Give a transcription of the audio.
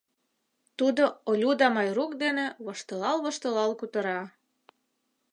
Тудо Олю да Майрук дене воштылал-воштылал кутыра.